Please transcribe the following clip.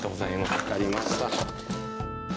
分かりました。